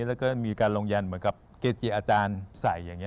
แล้วก็มีการลงยันเหมือนกับเกจิอาจารย์ใส่อย่างนี้